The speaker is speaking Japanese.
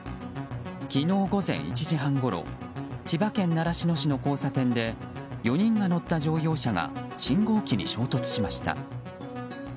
昨日午前１時半ごろ千葉県習志野市の交差点で４人が乗った乗用車が信号機に衝突しました。